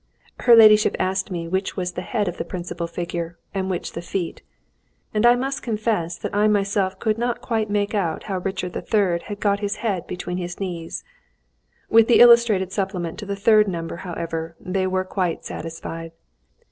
Her ladyship asked me which was the head of the principal figure, and which the feet. And I must confess that I myself could not quite make out how Richard III. had got his head between his knees. With the illustrated supplement to the third number, however, they were quite satisfied.